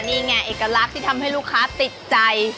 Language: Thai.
นี่ไงเอกลักษณ์ที่ทำให้ลูกค้าติดใจ